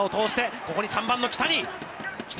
ここに３番の木谷。